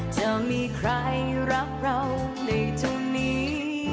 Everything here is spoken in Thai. จะมีใครรักเราในเท่านี้